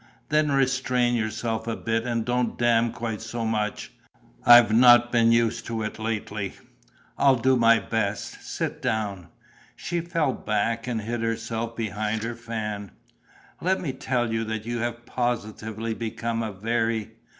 "Then restrain yourself a bit and don't 'damn' quite so much. I've not been used to it lately." "I'll do my best. Sit down." She fell back and hid herself behind her fan. "Let me tell you that you have positively become a very